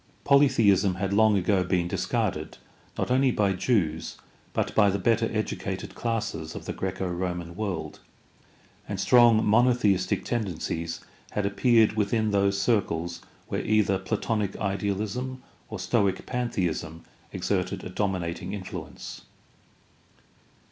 Polytheism had long ago been discarded, not only by Jews, but by the better educated classes of the Graeco Roman world, and strong monotheistic tendencies had appeared within those circles where either Platonic idealism or Stoic pantheism exerted a dominating influence.